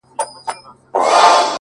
وي لكه ستوري هره شــپـه را روان-